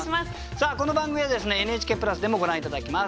さあこの番組はＮＨＫプラスでもご覧頂けます。